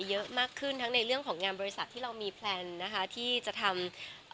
เยอะมากขึ้นทั้งในเรื่องของงานบริษัทที่เรามีแพลนนะคะที่จะทำเอ่อ